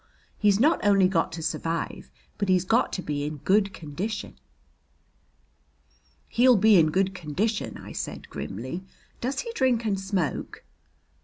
He's not only got to survive, but he's got to be in good condition." "He'll be in good condition," I said grimly. "Does he drink and smoke?"